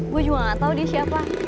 gue juga gak tau dia siapa